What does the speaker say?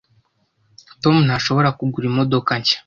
Tom ntashobora kugura imodoka nshya.